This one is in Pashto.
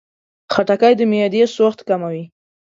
خټکی د معدې سوخت کموي.